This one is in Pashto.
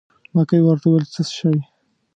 مکۍ ورته وویل: څه شی.